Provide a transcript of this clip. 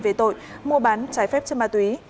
về tội mua bán trái phép chất ma túy